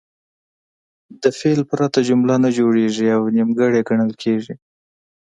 له فعل پرته جمله نه جوړیږي او نیمګړې ګڼل کیږي.